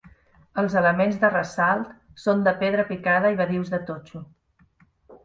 Els elements de ressalt són de pedra picada i badius de totxo.